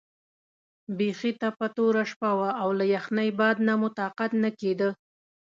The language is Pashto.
بیخي تپه توره شپه وه او له یخنۍ باد نه مو طاقت نه کېده.